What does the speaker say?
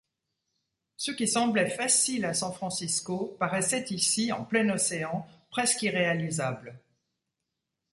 Ce qui semblait facile à San-Francisco, paraissait ici, en plein Océan, presque irréalisable.